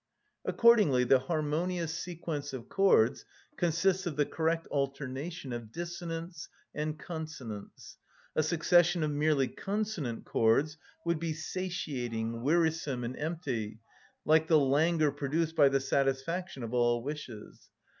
Accordingly the harmonious sequence of chords consists of the correct alternation of dissonance and consonance. A succession of merely consonant chords would be satiating, wearisome, and empty, like the languor produced by the satisfaction of all wishes.